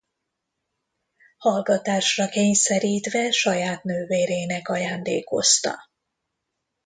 Hallgatásra kényszerítve saját nővérének ajándékozta.